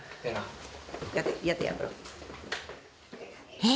えっ？